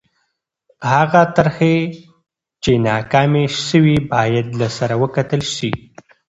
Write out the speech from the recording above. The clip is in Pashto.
هغه طرحې چې ناکامې سوې باید له سره وکتل سي.